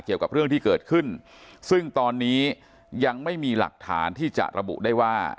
เกี่ยวกับเรื่องที่เกิดขึ้นซึ่งตอนนี้ยังไม่มีหลักฐานที่จะระบุได้ว่า